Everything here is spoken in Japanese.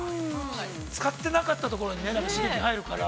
◆使ってなかったところに刺激が入るから。